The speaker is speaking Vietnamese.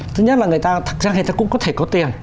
thứ nhất là người ta thực ra người ta cũng có thể có tiền